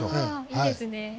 いいですね。